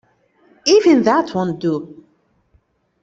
Even that won't do.